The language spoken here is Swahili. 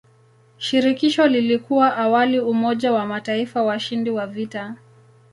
Shirikisho lilikuwa awali umoja wa mataifa washindi wa vita.